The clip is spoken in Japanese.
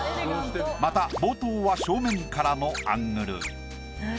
また冒頭は正面からのアングル。